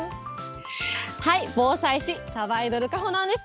防災士、さばいどる、かほなんです。